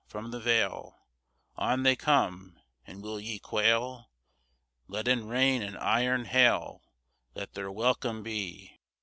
From the vale On they come! And will ye quail? Leaden rain and iron hail Let their welcome be!